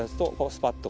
スパッと。